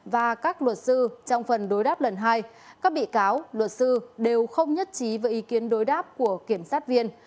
và các luật sư trong phần đối đáp lần hai các bị cáo luật sư đều không nhất trí với ý kiến đối đáp của kiểm sát viên